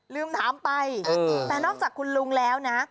ลืมถามไปแต่นอกจากคุณลุงแล้วนะ